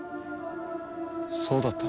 そうだったな。